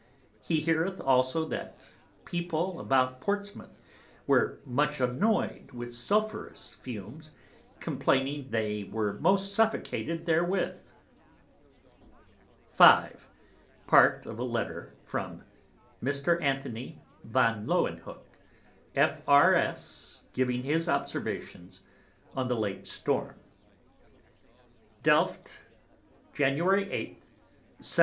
He heareth also, that People about Portsmouth were much annoyed with sulphurous Fumes, complaining they were most suffocated therewith'. V. Part of a Letter from Mr. Anthony van Lauwenhoek, F.R.S. giving his Observations on the late Storm. Delft, Jan. 8. 1704. N.